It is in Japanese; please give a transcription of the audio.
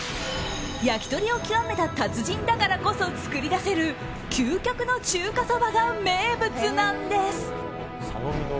焼き鳥を極めた達人だからこそ作り出せる究極の中華そばが名物なんです。